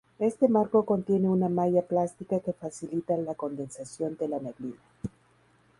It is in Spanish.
Este marco contiene una malla plástica que facilita la condensación de la neblina.